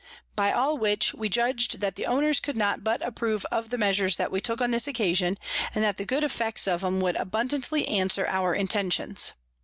By all which we judg'd that the Owners could not but approve of the Measures that we took on this occasion, and that the good effects of 'em would abundantly answer our Intentions.